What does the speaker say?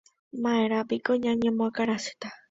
Ma'erãpiko ñañemoakãrasýta